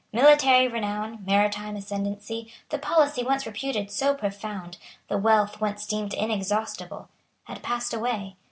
Military renown, maritime ascendency, the policy once reputed so profound, the wealth once deemed inexhaustible, had passed away.